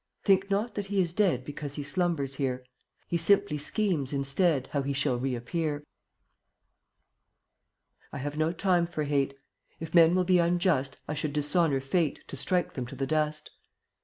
Think not that he is dead Because he slumbers here; He simply schemes instead How he shall reappear. 59 I have no time for hate; If men will be unjust, 1 should dishonor Fate To strike them to the dust.